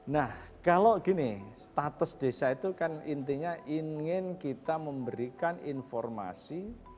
nah kalau gini status desa itu kan intinya ingin kita memberikan informasi